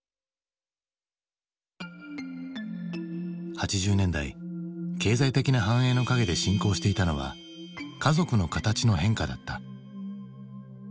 ８０年代経済的な繁栄の陰で進行していたのは家族の形の変化だった。